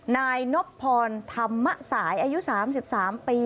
นายนบพรธรรมสายอายุ๓๓ปี